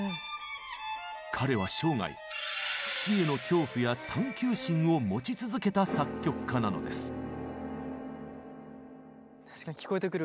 彼は生涯「死」への恐怖や探求心を持ち続けた作曲家なのです。